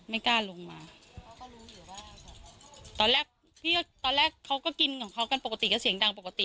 ไม่กล้าลงมาตอนแรกพี่ก็ตอนแรกเขาก็กินของเขากันปกติก็เสียงดังปกติ